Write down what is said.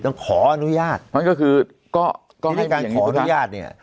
ขออนุญาตมันก็คือก็ให้การขออนุญาตเนี่ย